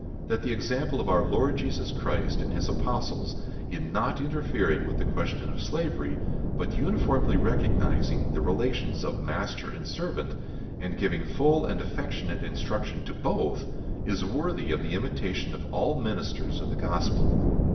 That the example of our Lord Jesus Christ and his apostles, in not interfering with the question of slavery, but uniformly recognizing the relations of master and servant, and giving full and affectionate instruction to both, is worthy of the imitation of all ministers of the gospel.